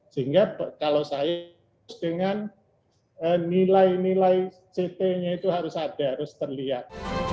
sehingga kalau saya dengan nilai nilai ct nya itu harus ada harus terlihat